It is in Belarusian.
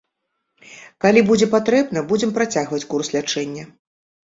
Калі будзе патрэбна, будзем працягваць курс лячэння.